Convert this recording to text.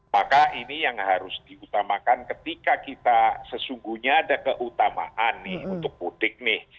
maka ini yang harus diutamakan ketika kita sesungguhnya ada keutamaan untuk kudik